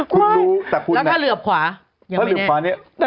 ไม่แล้วถ้าเหลือบขวายังไม่แน่